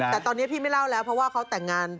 แต่ตอนนี้พี่ไม่เล่าแล้วเพราะว่าเขาแต่งงาน